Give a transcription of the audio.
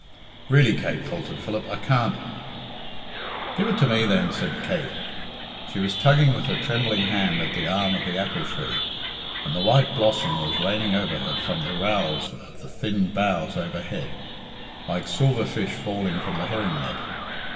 "Really, Kate," faltered Philip, "I can't " "Give it to me, then," said Kate. She was tugging with her trembling hand at the arm of the apple tree, and the white blossom was raining over her from the rowels of the thin boughs overhead, like silver fish falling from the herring net.